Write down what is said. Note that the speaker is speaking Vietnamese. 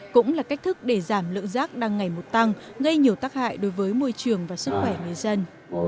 cũng là cách thức để giảm lượng rác đang ngày một tăng gây nhiều tác hại đối với môi trường và sức khỏe người dân